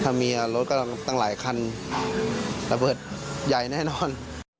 ถ้าเมียรถก็ตั้งหลายคันระเบิดใหญ่แน่นอน